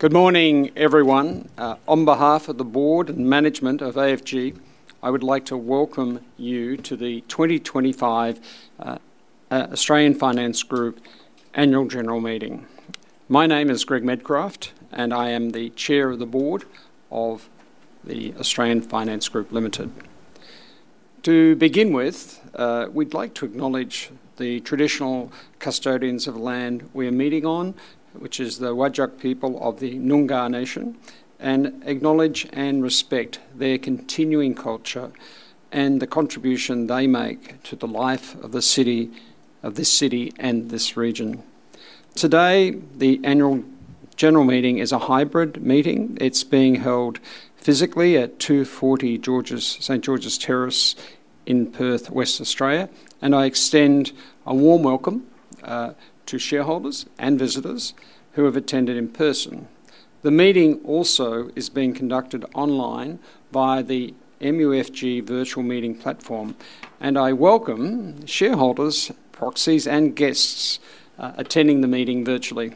Good morning, everyone. On behalf of the Board and management of AFG, I would like to welcome you to the 2025 Australian Finance Group Annual General Meeting. My name is Greg Medcraft, and I am the Chair of the Board of the Australian Finance Group Ltd. To begin with, we'd like to acknowledge the traditional custodians of the land we are meeting on, which is the Whadjuk people of the Noongar Nation, and acknowledge and respect their continuing culture and the contribution they make to the life of the city, of this city, and this region. Today, the Annual General Meeting is a hybrid meeting. It's being held physically at 240 St. George's Terrace in Perth, West Australia, and I extend a warm welcome to shareholders and visitors who have attended in person. The meeting also is being conducted online via the MUFG virtual meeting platform, and I welcome shareholders, proxies, and guests attending the meeting virtually.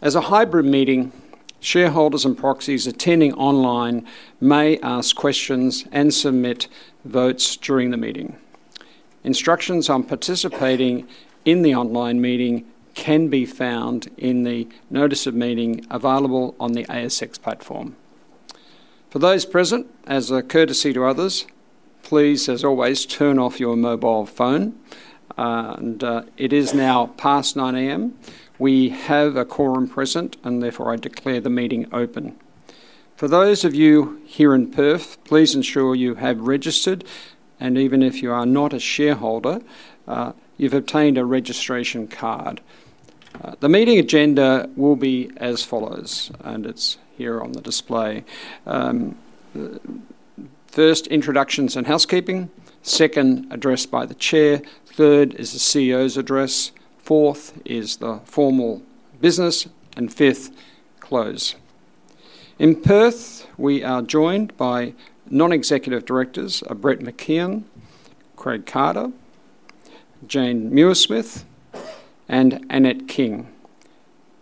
As a hybrid meeting, shareholders and proxies attending online may ask questions and submit votes during the meeting. Instructions on participating in the online meeting can be found in the notice of meeting available on the ASX platform. For those present, as a courtesy to others, please, as always, turn off your mobile phone, and it is now past 9:00 A.M. We have a quorum present, and therefore I declare the meeting open. For those of you here in Perth, please ensure you have registered, and even if you are not a shareholder, you've obtained a registration card. The meeting agenda will be as follows, and it's here on the display. First, introductions and housekeeping. Second, address by the Chair. Third is the CEO's address. Fourth is the formal business, and fifth, close. In Perth, we are joined by Non-Executive Directors of Brett McKeon, Craig Carter, Jane Muirsmith, and Annette King.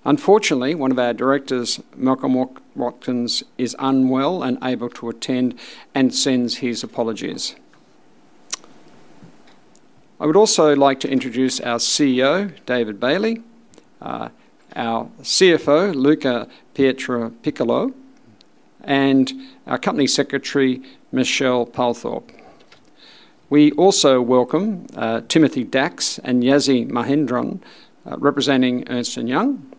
Unfortunately, one of our Directors, Malcolm Watkins, is unwell and unable to attend and sends his apologies. I would also like to introduce our CEO, David Bailey, our CFO, Luca Pietropiccolo, and our Company Secretary, Michelle Palethorpe. We also welcome Timothy Dacks and Yazie Mahendran, representing Ernst & Young,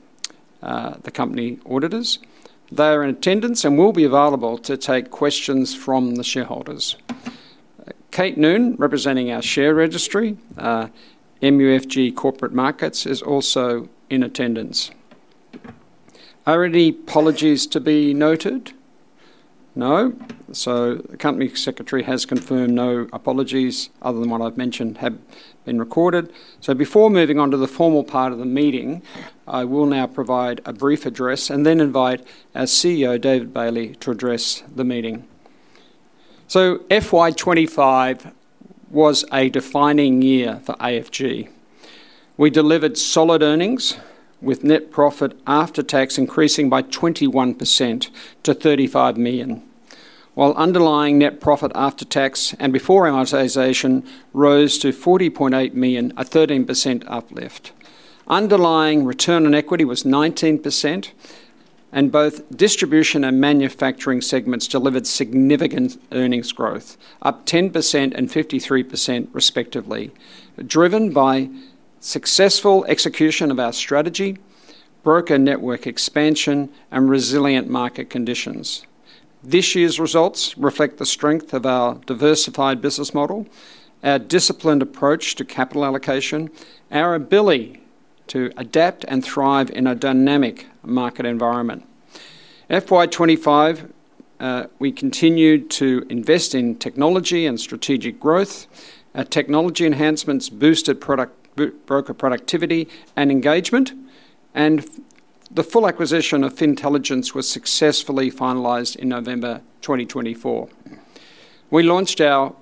the company auditors. They are in attendance and will be available to take questions from the shareholders. Kate Noon, representing our share registry, MUFG Corporate Markets, is also in attendance. Are any apologies to be noted? No. The Company Secretary has confirmed no apologies other than what I've mentioned have been recorded. Before moving on to the formal part of the meeting, I will now provide a brief address and then invite our CEO, David Bailey, to address the meeting. FY 2025 was a defining year for AFG. We delivered solid earnings with net profit after tax increasing by 21% to 35 million, while underlying net profit after tax and before amortization rose to 40.8 million, a 13% uplift. Underlying return on equity was 19%, and both distribution and manufacturing segments delivered significant earnings growth, up 10% and 53% respectively, driven by successful execution of our strategy, broker network expansion, and resilient market conditions. This year's results reflect the strength of our diversified business model, our disciplined approach to capital allocation, and our ability to adapt and thrive in a dynamic market environment. In FY 2025, we continued to invest in technology and strategic growth. Technology enhancements boosted broker productivity and engagement, and the full acquisition of Fintelligence was successfully finalized in November 2024. We launched our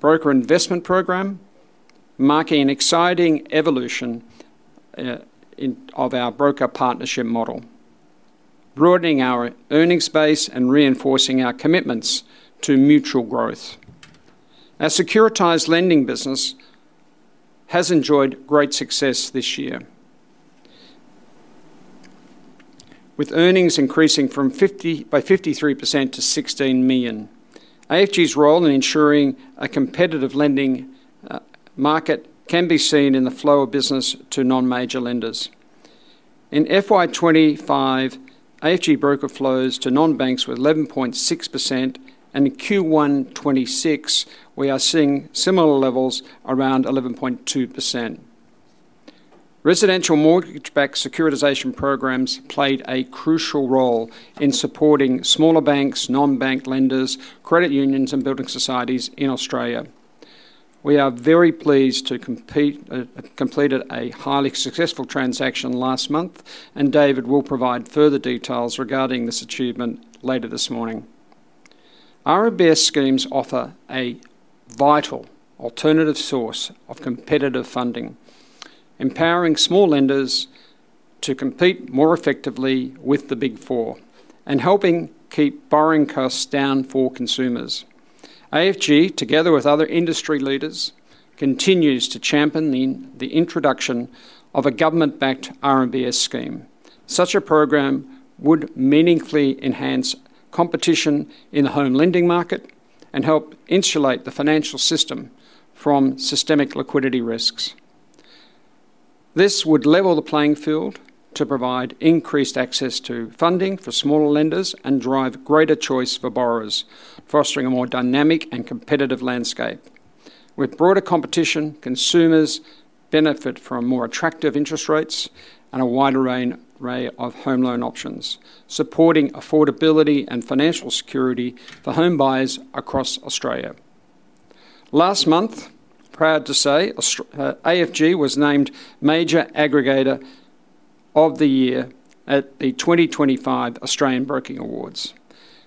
broker investment program, marking an exciting evolution of our broker partnership model, broadening our earnings base and reinforcing our commitments to mutual growth. Our securitized lending business has enjoyed great success this year, with earnings increasing by 53% to 16 million. AFG's role in ensuring a competitive lending market can be seen in the flow of business to non-major lenders. In FY 2025, AFG broker flows to non-banks were 11.6%, and in Q1 2026, we are seeing similar levels around 11.2%. Residential mortgage-backed securitization programs played a crucial role in supporting smaller banks, non-bank lenders, credit unions, and building societies in Australia. We are very pleased to have completed a highly successful transaction last month, and David will provide further details regarding this achievement later this morning. RMBS schemes offer a vital alternative source of competitive funding, empowering small lenders to compete more effectively with the Big Four and helping keep borrowing costs down for consumers. AFG, together with other industry leaders, continues to champion the introduction of a government-backed RMBS scheme. Such a program would meaningfully enhance competition in the home lending market and help insulate the financial system from systemic liquidity risks. This would level the playing field to provide increased access to funding for smaller lenders and drive greater choice for borrowers, fostering a more dynamic and competitive landscape. With broader competition, consumers benefit from more attractive interest rates and a wider array of home loan options, supporting affordability and financial security for home buyers across Australia. Last month, proud to say, AFG was named Major Aggregator of the Year at the 2025 Australian Broking Awards.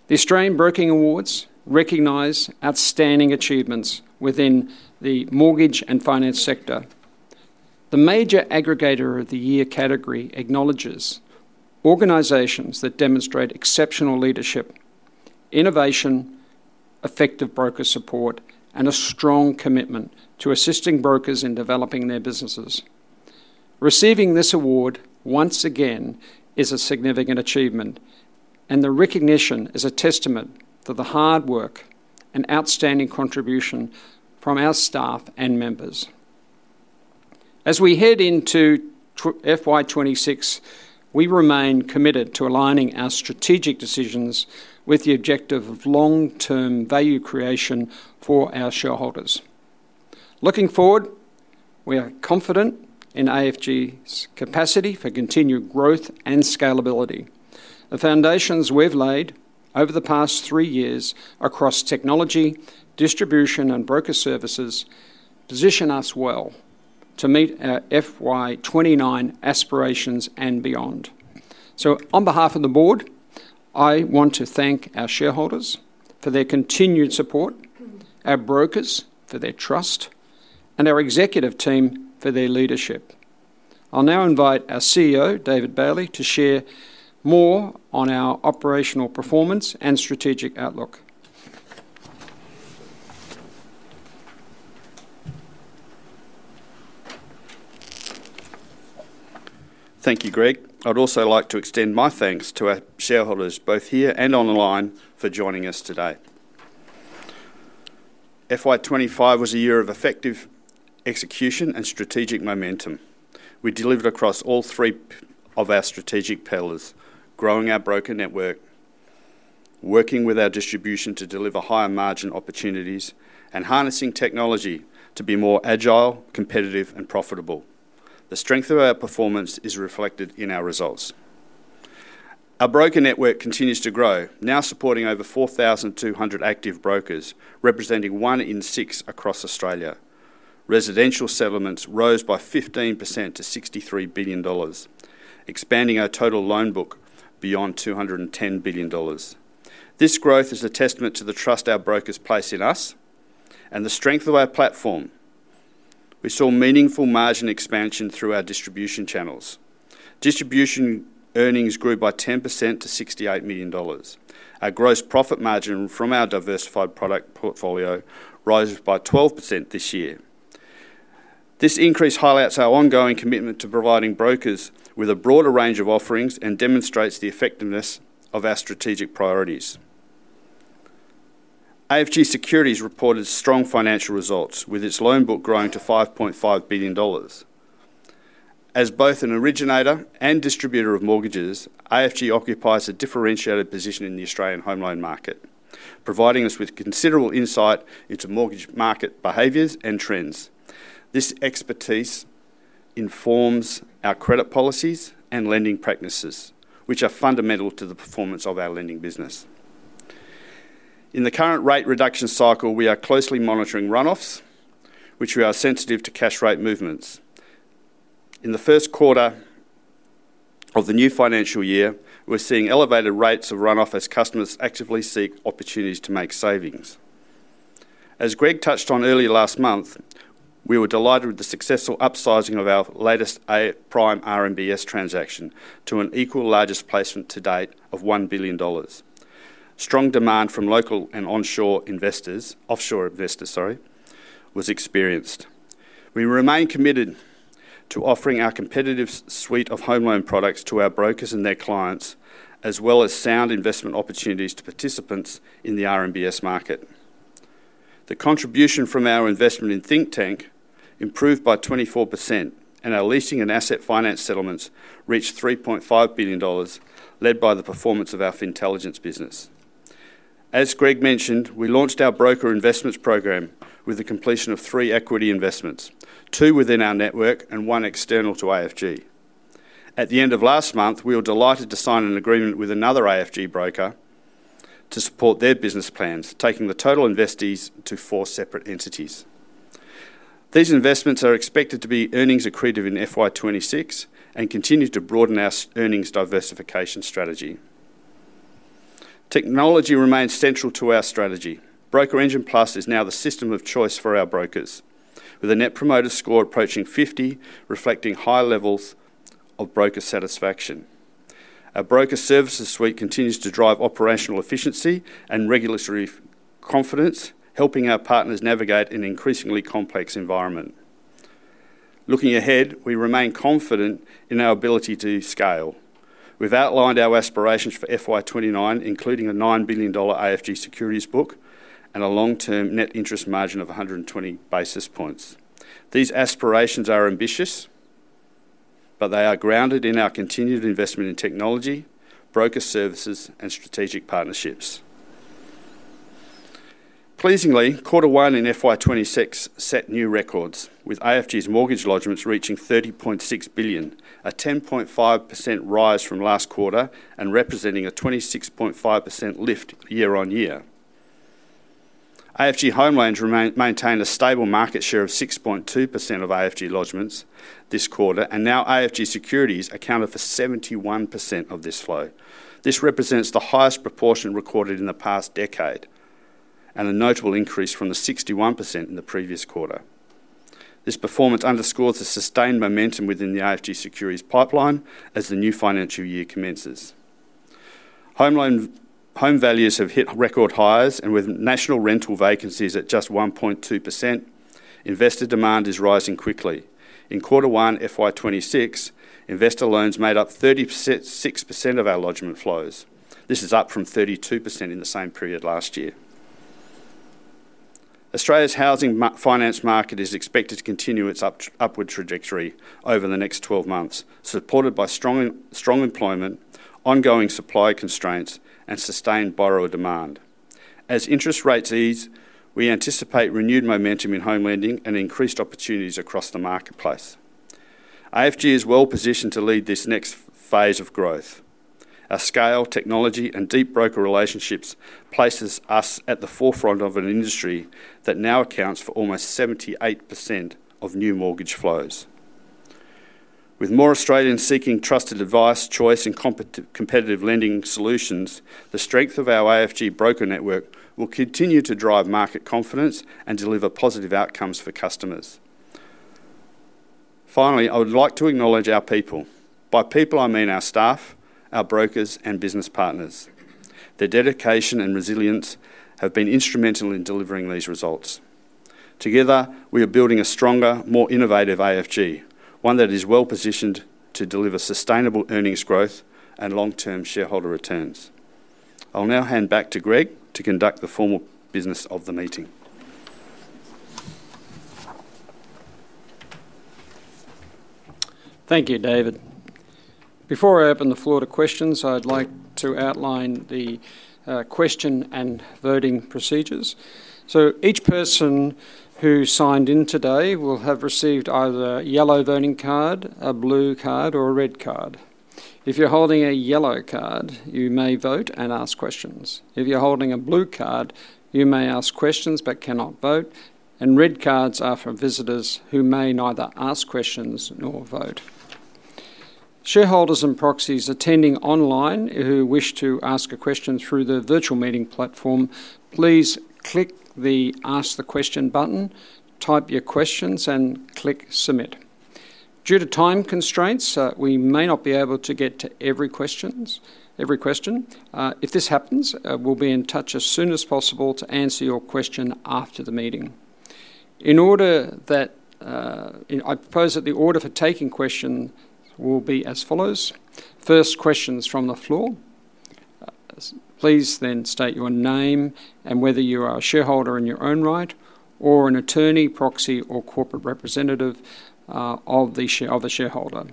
The Australian Broking Awards recognize outstanding achievements within the mortgage and finance sector. The Major Aggregator of the Year category acknowledges organizations that demonstrate exceptional leadership, innovation, effective broker support, and a strong commitment to assisting brokers in developing their businesses. Receiving this award once again is a significant achievement, and the recognition is a testament to the hard work and outstanding contribution from our staff and members. As we head into FY 2026, we remain committed to aligning our strategic decisions with the objective of long-term value creation for our shareholders. Looking forward, we are confident in AFG's capacity for continued growth and scalability. The foundations we've laid over the past three years across technology, distribution, and broker services position us well to meet our FY 2029 aspirations and beyond. On behalf of the board, I want to thank our shareholders for their continued support, our brokers for their trust, and our executive team for their leadership. I'll now invite our CEO, David Bailey, to share more on our operational performance and strategic outlook. Thank you, Greg. I'd also like to extend my thanks to our shareholders, both here and online, for joining us today. FY 2025 was a year of effective execution and strategic momentum. We delivered across all three of our strategic pillars, growing our broker network, working with our distribution to deliver higher margin opportunities, and harnessing technology to be more agile, competitive, and profitable. The strength of our performance is reflected in our results. Our broker network continues to grow, now supporting over 4,200 active brokers, representing one in six across Australia. Residential settlements rose by 15% to 63 billion dollars, expanding our total loan book beyond 210 billion dollars. This growth is a testament to the trust our brokers place in us and the strength of our platform. We saw meaningful margin expansion through our distribution channels. Distribution earnings grew by 10% to 68 million dollars. Our gross profit margin from our diversified product portfolio rose by 12% this year. This increase highlights our ongoing commitment to providing brokers with a broader range of offerings and demonstrates the effectiveness of our strategic priorities. AFG Securities reported strong financial results, with its loan book growing to 5.5 billion dollars. As both an originator and distributor of mortgages, AFG occupies a differentiated position in the Australian home loan market, providing us with considerable insight into mortgage market behaviors and trends. This expertise informs our credit policies and lending practices, which are fundamental to the performance of our lending business. In the current rate reduction cycle, we are closely monitoring runoffs, which are sensitive to cash rate movements. In the first quarter of the new financial year, we're seeing elevated rates of runoff as customers actively seek opportunities to make savings. As Greg touched on earlier last month, we were delighted with the successful upsizing of our latest Prime RMBS transaction to an equal largest placement to date of 1 billion dollars. Strong demand from local and offshore investors was experienced. We remain committed to offering our competitive suite of home loan products to our brokers and their clients, as well as sound investment opportunities to participants in the RMBS market. The contribution from our investment in Think Tank improved by 24%, and our leasing and asset finance settlements reached 3.5 billion dollars, led by the performance of our Fintelligence business. As Greg mentioned, we launched our broker investments program with the completion of three equity investments, two within our network and one external to AFG. At the end of last month, we were delighted to sign an agreement with another AFG broker to support their business plans, taking the total investees to four separate entities. These investments are expected to be earnings accretive in FY 2026 and continue to broaden our earnings diversification strategy. Technology remains central to our strategy. Broker Engine Plus is now the system of choice for our brokers, with a Net Promoter Score approaching 50, reflecting high levels of broker satisfaction. Our broker services suite continues to drive operational efficiency and regulatory confidence, helping our partners navigate an increasingly complex environment. Looking ahead, we remain confident in our ability to scale. We've outlined our aspirations for FY 2029, including a 9 billion dollar AFG Securities Book and a long-term net interest margin of 120 basis points. These aspirations are ambitious, but they are grounded in our continued investment in technology, broker services, and strategic partnerships. Pleasingly, quarter one in FY 2026 set new records, with AFG's mortgage lodgements reaching 30.6 billion, a 10.5% rise from last quarter and representing a 26.5% lift year on year. AFG Home Loans maintained a stable market share of 6.2% of AFG lodgements this quarter, and now AFG Securities accounted for 71% of this flow. This represents the highest proportion recorded in the past decade and a notable increase from the 61% in the previous quarter. This performance underscores the sustained momentum within the AFG Securities pipeline as the new financial year commences. Home values have hit record highs, and with national rental vacancies at just 1.2%, investor demand is rising quickly. In quarter one FY 2026, investor loans made up 36% of our lodgement flows. This is up from 32% in the same period last year. Australia's housing finance market is expected to continue its upward trajectory over the next 12 months, supported by strong employment, ongoing supply constraints, and sustained borrower demand. As interest rates ease, we anticipate renewed momentum in home lending and increased opportunities across the marketplace. AFG is well positioned to lead this next phase of growth. Our scale, technology, and deep broker relationships place us at the forefront of an industry that now accounts for almost 78% of new mortgage flows. With more Australians seeking trusted advice, choice, and competitive lending solutions, the strength of our AFG broker network will continue to drive market confidence and deliver positive outcomes for customers. Finally, I would like to acknowledge our people. By people, I mean our staff, our brokers, and business partners. Their dedication and resilience have been instrumental in delivering these results. Together, we are building a stronger, more innovative AFG, one that is well positioned to deliver sustainable earnings growth and long-term shareholder returns. I'll now hand back to Greg to conduct the formal business of the meeting. Thank you, David. Before I open the floor to questions, I'd like to outline the question and voting procedures. Each person who signed in today will have received either a yellow voting card, a blue card, or a red card. If you're holding a yellow card, you may vote and ask questions. If you're holding a blue card, you may ask questions but cannot vote, and red cards are for visitors who may neither ask questions nor vote. Shareholders and proxies attending online who wish to ask a question through the virtual meeting platform, please click the Ask the Question button, type your questions, and click Submit. Due to time constraints, we may not be able to get to every question. If this happens, we'll be in touch as soon as possible to answer your question after the meeting. I propose that the order for taking questions will be as follows. First, questions from the floor. Please then state your name and whether you are a shareholder in your own right or an attorney, proxy, or corporate representative of the shareholder.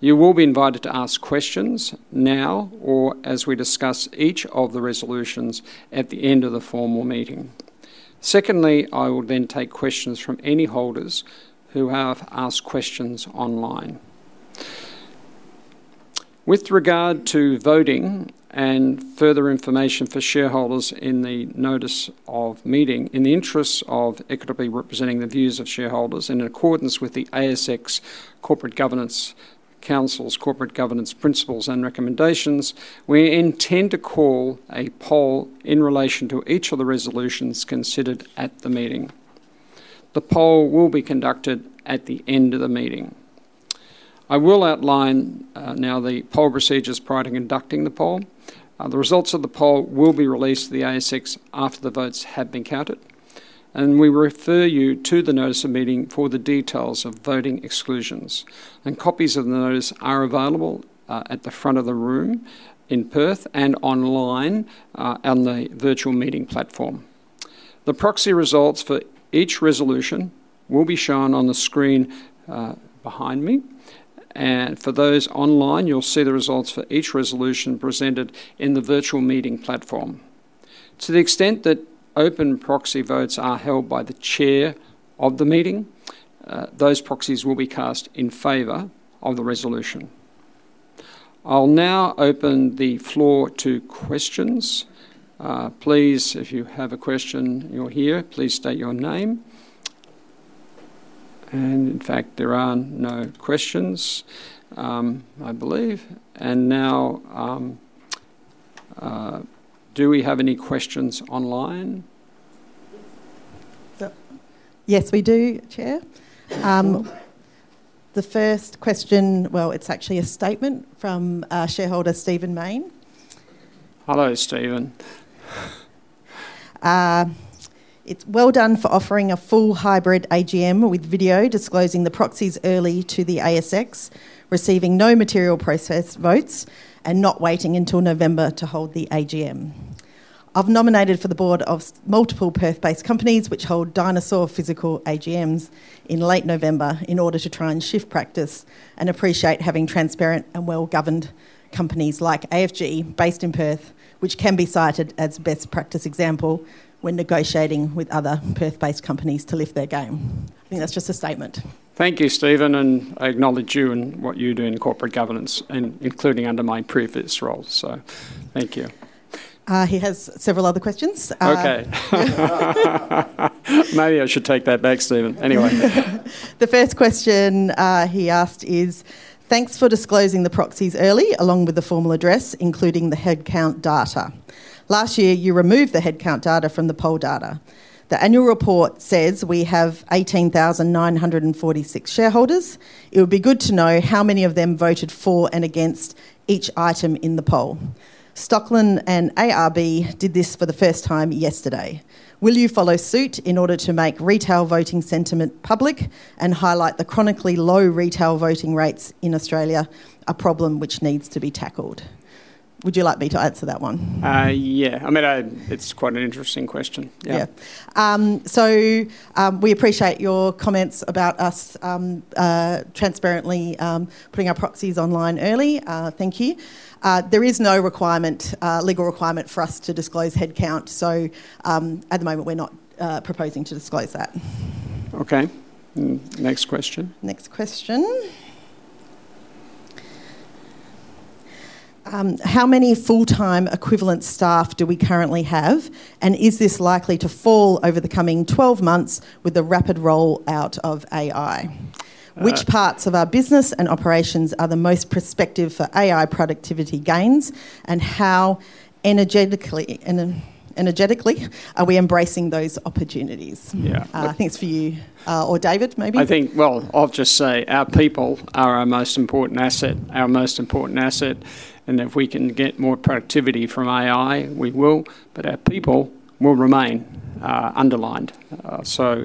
You will be invited to ask questions now or as we discuss each of the resolutions at the end of the formal meeting. Secondly, I will then take questions from any holders who have asked questions online. With regard to voting and further information for shareholders in the notice of meeting, in the interest of equitably representing the views of shareholders in accordance with the ASX Corporate Governance Council's Corporate Governance Principles and Recommendations, we intend to call a poll in relation to each of the resolutions considered at the meeting. The poll will be conducted at the end of the meeting. I will outline now the poll procedures prior to conducting the poll. The results of the poll will be released to the ASX after the votes have been counted, and we will refer you to the notice of meeting for the details of voting exclusions. Copies of the notice are available at the front of the room in Perth and online on the virtual meeting platform. The proxy results for each resolution will be shown on the screen behind me, and for those online, you'll see the results for each resolution presented in the virtual meeting platform. To the extent that open proxy votes are held by the chair of the meeting, those proxies will be cast in favor of the resolution. I'll now open the floor to questions. Please, if you have a question, you're here, please state your name. In fact, there are no questions, I believe. Do we have any questions online? Yes, we do, Chair. The first question, it's actually a statement from shareholder Stephen Main. Hello, Stephen. It's, 'Well done for offering a full hybrid AGM with video, disclosing the proxies early to the ASX, receiving no material processed votes, and not waiting until November to hold the AGM. I've nominated for the board of multiple Perth-based companies which hold dinosaur physical AGMs in late November in order to try and shift practice and appreciate having transparent and well-governed companies like AFG based in Perth, which can be cited as best practice example when negotiating with other Perth-based companies to lift their game.'" I think that's just a statement. Thank you, Stephen. I acknowledge you and what you do in corporate governance, including under my previous role. Thank you. He has several other questions. Okay. Maybe I should take that back, Stephen. Anyway. The first question he asked is, "Thanks for disclosing the proxies early along with the formal address, including the headcount data. Last year, you removed the headcount data from the poll data. The annual report says we have 18,946 shareholders. It would be good to know how many of them voted for and against each item in the poll. Stockland and ARB did this for the first time yesterday. Will you follow suit in order to make retail voting sentiment public and highlight the chronically low retail voting rates in Australia, a problem which needs to be tackled?" Would you like me to answer that one? Yeah, it's quite an interesting question. Yeah. We appreciate your comments about us transparently putting our proxies online early. Thank you. There is no legal requirement for us to disclose headcount, so at the moment, we're not proposing to disclose that. Okay. Next question. Next question. "How many full-time equivalent staff do we currently have, and is this likely to fall over the coming 12 months with the rapid rollout of AI? Which parts of our business and operations are the most prospective for AI productivity gains, and how energetically are we embracing those opportunities? Yeah. I think it's for you or David, maybe? I think our people are our most important asset, our most important asset, and if we can get more productivity from AI, we will, but our people will remain underlined.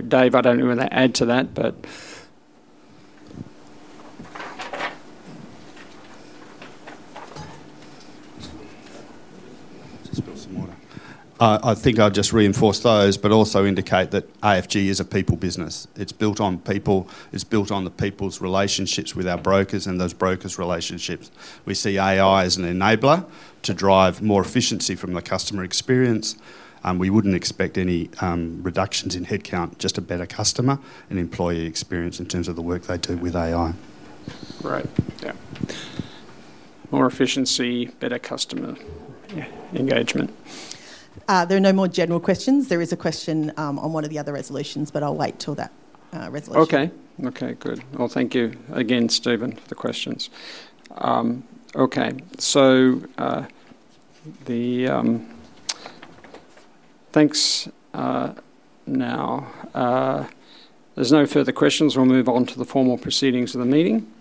Dave, I don't know whether to add to that, but... I think I'll just reinforce those, but also indicate that AFG is a people business. It's built on people. It's built on the people's relationships with our brokers and those brokers' relationships. We see AI as an enabler to drive more efficiency from the customer experience, and we wouldn't expect any reductions in headcount, just a better customer and employee experience in terms of the work they do with AI. Right. Yeah, more efficiency, better customer engagement. There are no more general questions. There is a question on one of the other resolutions, but I'll wait till that resolution. Okay, good. Thank you again, Stephen, for the questions. Thank you. Now, there's no further questions. We'll move on to the formal proceedings of the meeting.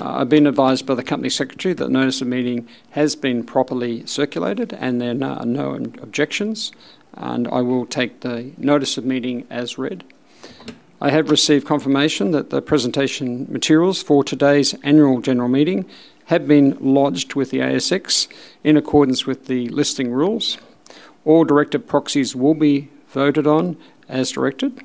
I've been advised by the Company Secretary that the notice of meeting has been properly circulated, and there are no objections, and I will take the notice of meeting as read. I have received confirmation that the presentation materials for today's Annual General Meeting have been lodged with the ASX in accordance with the listing rules. All directed proxies will be voted on as directed.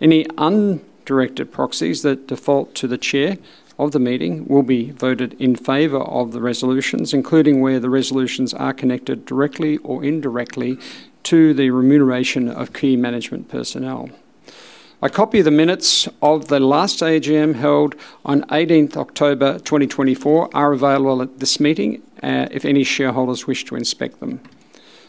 Any undirected proxies that default to the Chair of the meeting will be voted in favor of the resolutions, including where the resolutions are connected directly or indirectly to the remuneration of key management personnel. A copy of the minutes of the last AGM held on 18 October 2024 are available at this meeting if any shareholders wish to inspect them.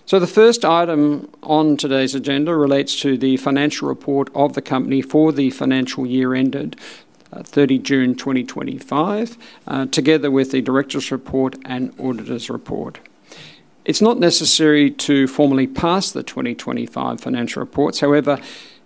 The first item on today's agenda relates to the financial report of the company for the financial year ended 30 June 2025, together with the Directors' Report and Auditor's Report. It's not necessary to formally pass the 2025 financial reports. However,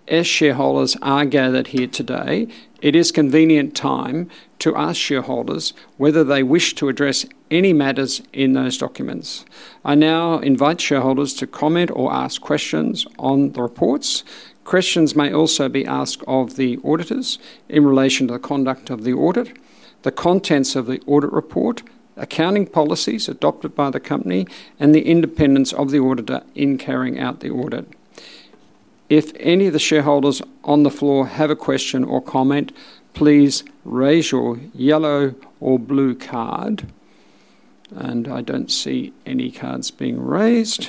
as shareholders are gathered here today, it is a convenient time to ask shareholders whether they wish to address any matters in those documents. I now invite shareholders to comment or ask questions on the reports. Questions may also be asked of the auditors in relation to the conduct of the audit, the contents of the audit report, accounting policies adopted by the company, and the independence of the auditor in carrying out the audit. If any of the shareholders on the floor have a question or comment, please raise your yellow or blue card, and I don't see any cards being raised.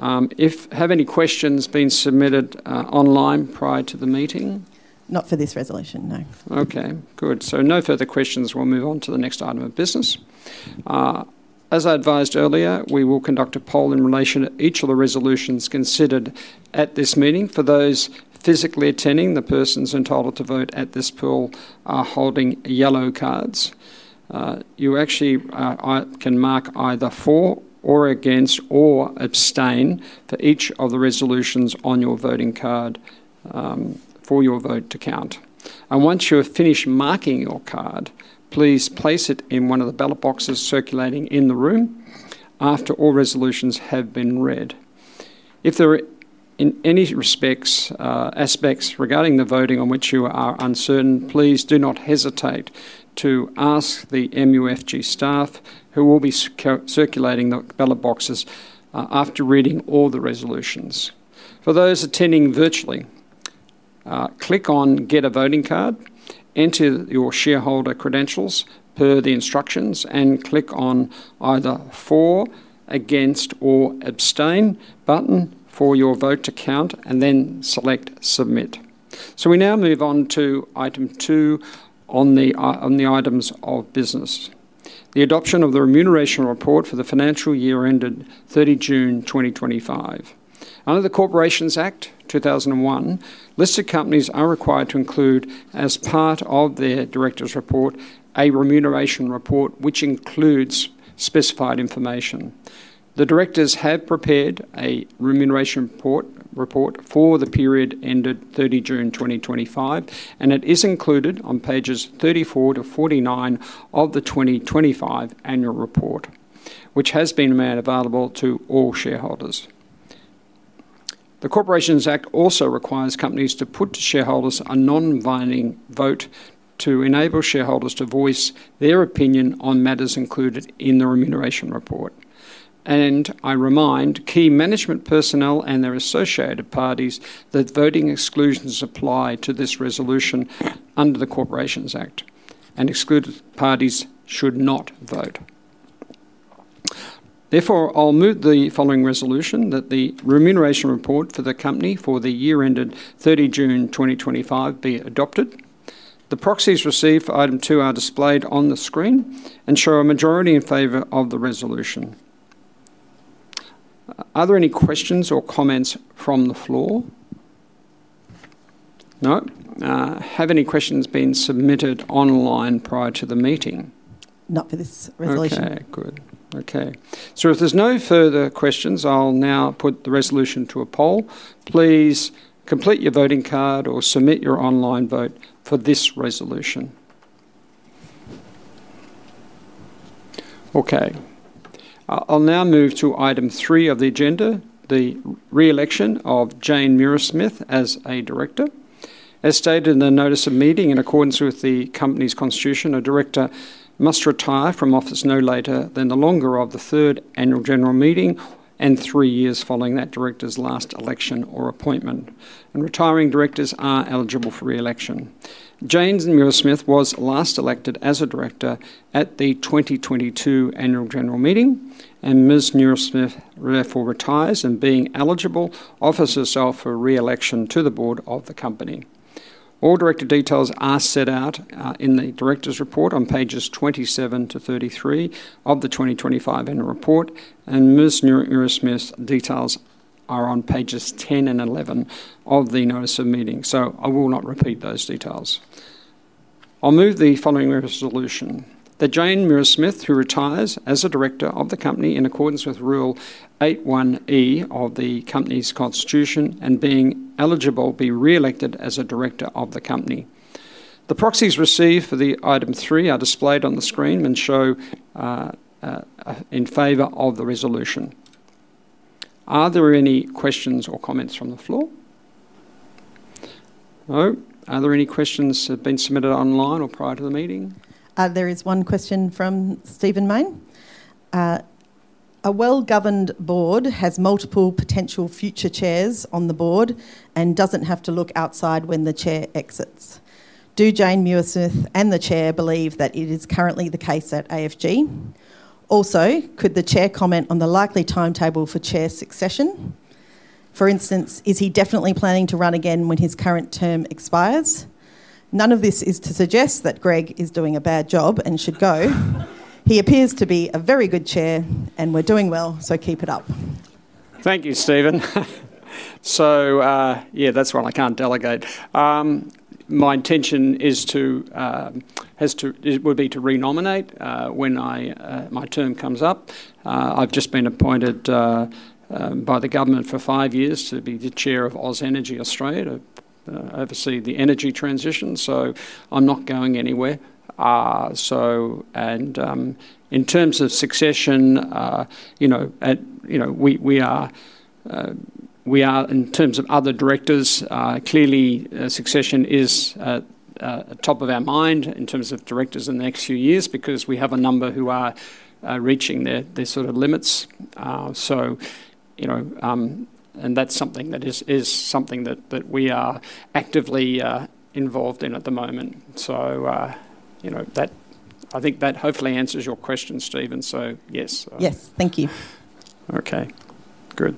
Have any questions been submitted online prior to the meeting? Not for this resolution, no. Okay, good. No further questions. We'll move on to the next item of business. As I advised earlier, we will conduct a poll in relation to each of the resolutions considered at this meeting. For those physically attending, the persons entitled to vote at this poll are holding yellow cards. You actually can mark either for or against or abstain for each of the resolutions on your voting card for your vote to count. Once you have finished marking your card, please place it in one of the ballot boxes circulating in the room after all resolutions have been read. If there are any aspects regarding the voting on which you are uncertain, please do not hesitate to ask the MUFG staff who will be circulating the ballot boxes after reading all the resolutions. For those attending virtually, click on "Get a voting card," enter your shareholder credentials per the instructions, and click on either for, against, or abstain button for your vote to count, and then select "Submit." We now move on to item two on the items of business. The adoption of the remuneration report for the financial year ended 30 June 2025. Under the Corporations Act 2001, listed companies are required to include as part of their directors' report a remuneration report which includes specified information. The directors have prepared a remuneration report for the period ended 30 June 2025, and it is included on pages 34 to 49 of the 2025 annual report, which has been made available to all shareholders. The Corporations Act also requires companies to put to shareholders a non-binding vote to enable shareholders to voice their opinion on matters included in the remuneration report. I remind key management personnel and their associated parties that voting exclusions apply to this resolution under the Corporations Act, and excluded parties should not vote. Therefore, I'll move the following resolution that the remuneration report for the company for the year ended 30 June 2025 be adopted. The proxies received for item two are displayed on the screen and show a majority in favor of the resolution. Are there any questions or comments from the floor? No? Have any questions been submitted online prior to the meeting? Not for this resolution. Okay, good. If there's no further questions, I'll now put the resolution to a poll. Please complete your voting card or submit your online vote for this resolution. I'll now move to item three of the agenda, the reelection of Jane Muirsmith as a director. As stated in the notice of meeting, in accordance with the company's constitution, a director must retire from office no later than the longer of the third annual general meeting and three years following that director's last election or appointment. Retiring directors are eligible for reelection. Jane Muirsmith was last elected as a director at the 2022 annual general meeting, and Ms. Muirsmith therefore retires and being eligible offers herself for reelection to the board of the company. All director details are set out in the director's report on pages 27 to 33 of the 2025 annual report, and Ms. Muirsmith's details are on pages 10 and 11 of the notice of meeting. I will not repeat those details. I'll move the following resolution. That Jane Muirsmith, who retires as a director of the company in accordance with Rule 8(1)(e) of the company's constitution and being eligible, be reelected as a director of the company. The proxies received for item three are displayed on the screen and show in favor of the resolution. Are there any questions or comments from the floor? No? Are there any questions that have been submitted online or prior to the meeting? There is one question from Stephen Main. A well-governed board has multiple potential future Chairs on the board and doesn't have to look outside when the Chair exits. Do Jane Muirsmith and the Chair believe that it is currently the case at AFG? Also, could the Chair comment on the likely timetable for Chair succession? For instance, is he definitely planning to run again when his current term expires? None of this is to suggest that Greg is doing a bad job and should go. He appears to be a very good Chair and we're doing well, so keep it up. Thank you, Stephen. That's one I can't delegate. My intention would be to renominate when my term comes up. I've just been appointed by the government for five years to be the Chair of Oz Energy Australia. I oversee the energy transition, so I'm not going anywhere. In terms of succession, we are, in terms of other directors, clearly succession is at the top of our mind in terms of directors in the next few years because we have a number who are reaching their sort of limits. That's something that we are actively involved in at the moment. I think that hopefully answers your question, Stephen. Yes. Yes, thank you. Okay, good.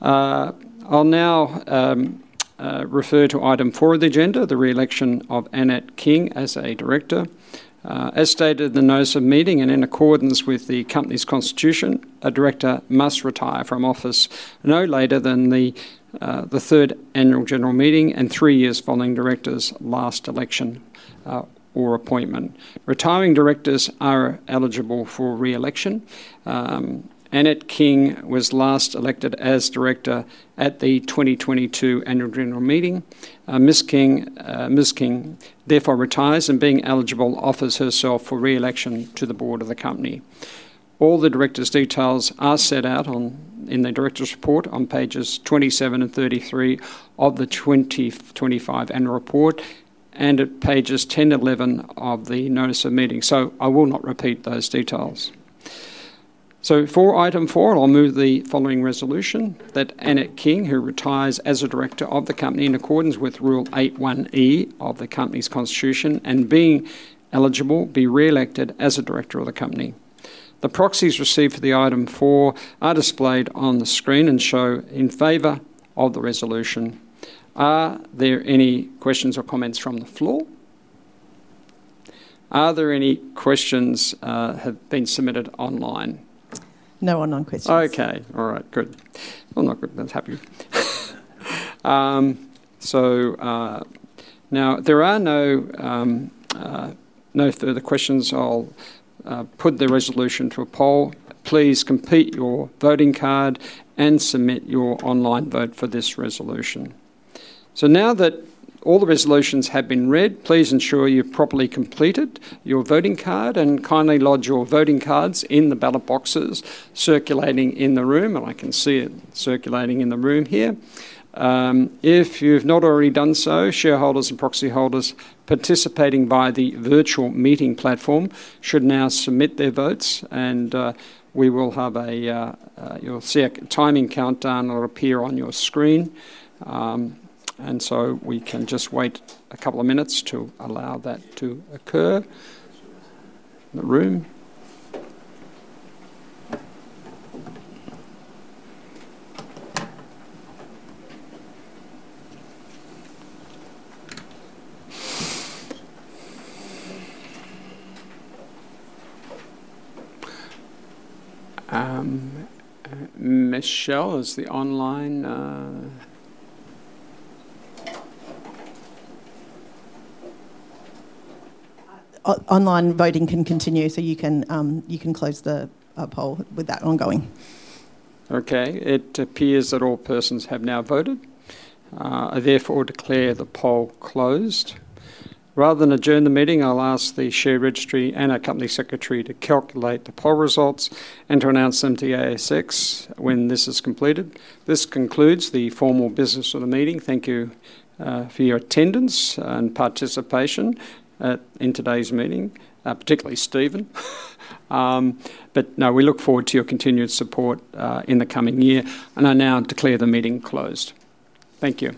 I'll now refer to item four of the agenda, the reelection of Annette King as a director. As stated in the notice of meeting and in accordance with the company's constitution, a director must retire from office no later than the third annual general meeting and three years following the director's last election or appointment. Retiring directors are eligible for reelection. Annette King was last elected as director at the 2022 annual general meeting. Ms. King therefore retires and, being eligible, offers herself for reelection to the board of the company. All the director's details are set out in the director's report on pages 27 and 33 of the 2025 annual report and at pages 10 and 11 of the notice of meeting. I will not repeat those details. For item four, I'll move the following resolution: that Annette King, who retires as a director of the company in accordance with Rule 8(1)(e) of the company's constitution and being eligible, be reelected as a director of the company. The proxies received for item four are displayed on the screen and show in favor of the resolution. Are there any questions or comments from the floor? Are there any questions that have been submitted online? No online questions. Okay, all right, good. That's happy. Now there are no further questions. I'll put the resolution to a poll. Please complete your voting card and submit your online vote for this resolution. Now that all the resolutions have been read, please ensure you've properly completed your voting card and kindly lodge your voting cards in the ballot boxes circulating in the room. I can see it circulating in the room here. If you've not already done so, shareholders and proxy holders participating via the virtual meeting platform should now submit their votes. You will see a timing countdown that will appear on your screen. We can just wait a couple of minutes to allow that to occur in the room. Michelle, is the online... Online voting can continue, so you can close the poll with that ongoing. Okay, it appears that all persons have now voted. I therefore declare the poll closed. Rather than adjourn the meeting, I'll ask the share registry and our Company Secretary to calculate the poll results and to announce them to the ASX when this is completed. This concludes the formal business of the meeting. Thank you for your attendance and participation in today's meeting, particularly Stephen. We look forward to your continued support in the coming year, and I now declare the meeting closed. Thank you.